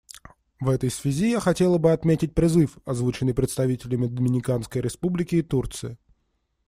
В этой связи я хотела бы отметить призыв, озвученный представителями Доминиканской Республики и Турции.